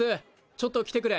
ちょっと来てくれ！